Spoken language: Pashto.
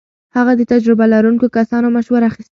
هغه د تجربه لرونکو کسانو مشوره اخيسته.